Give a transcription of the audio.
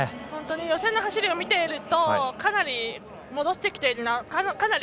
予選の走りを見ているとかなり戻してきているなと。